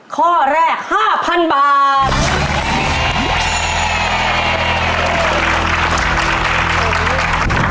ข้อแรก๕๐๐๐บาท